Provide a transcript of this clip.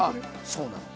そうなの。